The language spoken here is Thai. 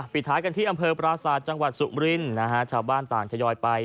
ท้ายกันที่อำเภอปราศาสตร์จังหวัดสุมรินนะฮะชาวบ้านต่างทยอยไป